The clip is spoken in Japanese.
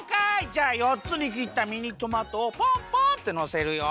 じゃあ４つにきったミニトマトをポンポンってのせるよ！